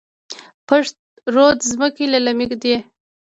پشت رود ځمکې للمي دي؟